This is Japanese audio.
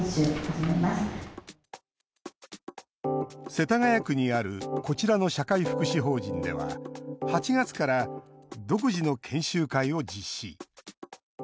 世田谷区にあるこちらの社会福祉法人では８月から独自の研修会を実施。